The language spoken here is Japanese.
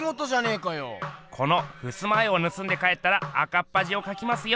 このふすま絵をぬすんで帰ったら赤っぱじをかきますよ。